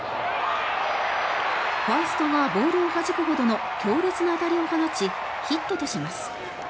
ファーストがボールをはじくほどの強烈な当たりを放ちヒットとします。